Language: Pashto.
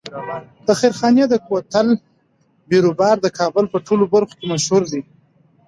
د خیرخانې د کوتل بیروبار د کابل په ټولو برخو کې مشهور دی.